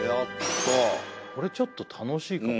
これちょっと楽しいかも。